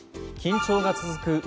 緊張が続く